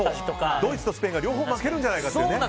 ドイツとスペインが両方負けるんじゃないかとか。